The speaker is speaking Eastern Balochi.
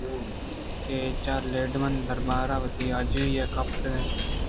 کہ آ چہ لیڈمن ءِ دربارءَ وتی آجُوئی ءَ گیپت